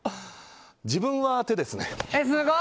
自分は手ですね。